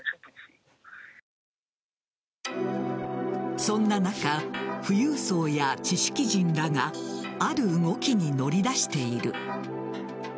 そんな中、富裕層や知識人らがある動きに乗り出している。